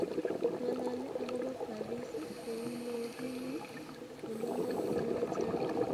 Ng'ololi akobo Paris kou yo kimi olindo konyil chechang.